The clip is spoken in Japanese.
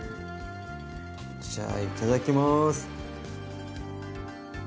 じゃあいただきます！